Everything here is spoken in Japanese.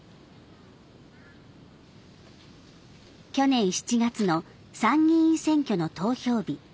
去年７月の参議院選挙の投票日。